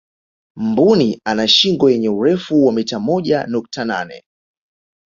mbuni ana shingo yenye urefu wa mita moja nukta nane